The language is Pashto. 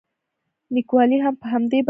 نیکولای هم په همدې باور و.